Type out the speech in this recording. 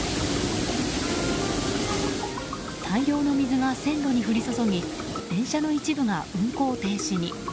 大量の水が線路に降り注ぎ電車の一部が運行停止に。